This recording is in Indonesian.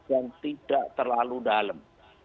dan tidak terlalu dalam